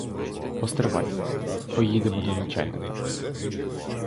Постривай, поїдемо до начальника!